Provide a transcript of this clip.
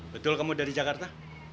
betul kamu dari jakarta